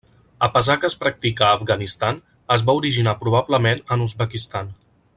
A pesar que es practica a Afganistan, es va originar probablement en Uzbekistan.